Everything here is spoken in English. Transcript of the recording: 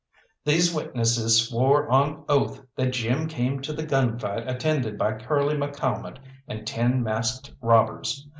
These witnesses swore on oath that Jim came to the gun fight attended by Curly McCalmont and ten masked robbers.